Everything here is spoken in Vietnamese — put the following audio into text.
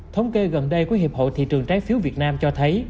thống kê gần đây của hiệp hội thị trường trái phiếu việt nam cho thấy